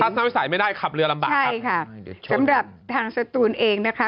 ถ้าวิสัยไม่ได้ขับเรือลำบากใช่ค่ะสำหรับทางสตูนเองนะคะ